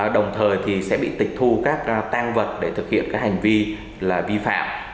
đồng thời thì sẽ bị tịch thu các tăng vật để thực hiện các hành vi là vi phạm